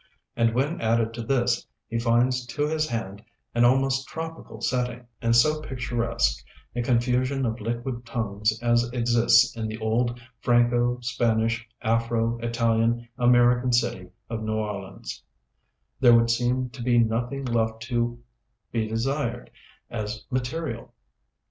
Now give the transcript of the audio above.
And when added to this, he finds to his hand an almost tropical setting, and so picturesque a confusion of liquid tongues as exists in the old Franco Spanish Afro Italian American city of New Orleans, there would seem to be nothing left to be desired as "material."